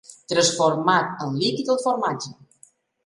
Transformat en líquid, el formatge.